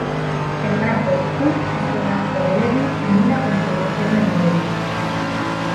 El grafo "Q" es el grafo de Levi de una configuración de Möbius.